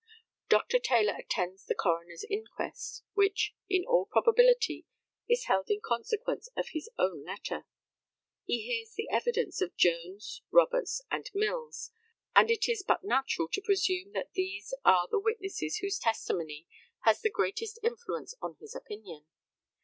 Dr. Taylor attends the coroner's inquest, which, in all probability, is held in consequence of his own letter. He hears the evidence of Jones, Roberts, and Mills, and it is but natural to presume that these are the witnesses whose testimony has the greatest influence on his opinion.